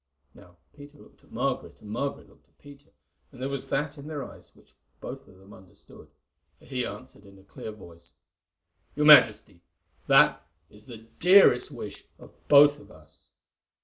Now Peter looked at Margaret, and Margaret looked at Peter, and there was that in their eyes which both of them understood, for he answered in a clear voice: "Your Majesty, that is the dearest wish of both of us."